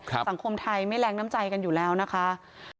สังคมไทยไม่แรงน้ำใจกันอยู่แล้วนะคะ